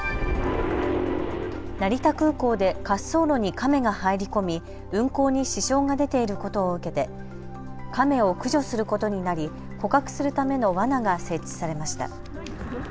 成田空港で滑走路にカメが入り込み運航に支障が出ていることを受けてカメを駆除することになり捕獲するためのわなが設置されました。